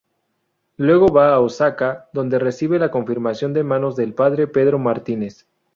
Luego va a Osaka donde recibe la confirmación de manos del padre Pedro Martínez.